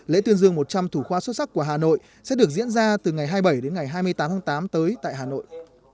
lễ tuyên dương một trăm linh thủ khoa xuất sắc của hà nội sẽ được diễn ra từ ngày hai mươi bảy đến ngày hai mươi tám tháng tám tới tại hà nội